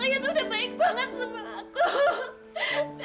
itu udah baik banget sama aku